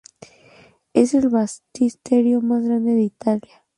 Es el baptisterio más grande de Italia.